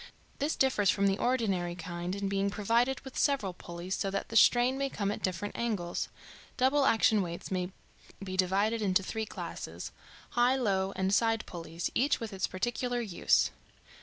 This differs from the ordinary kind in being provided with several pulleys, so that the strain may come at different angles. Double action weights may be divided into three classes high, low, and side pulleys each with its particular use.